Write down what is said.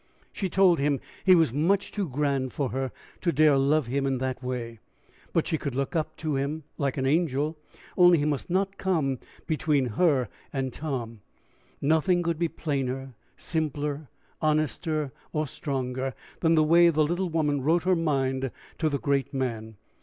She told him he was much too grand for her to dare love him in that way, but she could look up to him like an angel only he must not come between her and Tom. Nothing could be plainer, simpler, honester, or stronger, than the way the little woman wrote her mind to the great man.